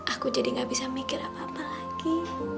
aku jadi gak bisa mikir apa apa lagi